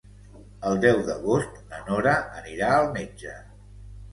El deu d'agost na Nora anirà al metge.